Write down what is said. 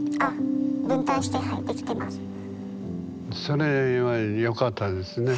それはよかったですね。